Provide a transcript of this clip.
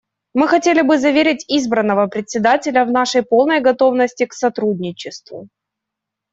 Мы хотели бы заверить избранного Председателя в нашей полной готовности к сотрудничеству.